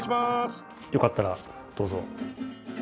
よかったら、どうぞ。